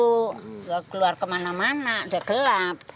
tidak keluar kemana mana udah gelap